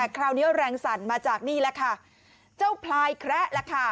คราวนี้แรงสั่นมาจากนี่แล้วค่ะ